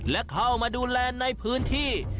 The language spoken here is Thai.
และเข้ามาดูแลในพื้นที่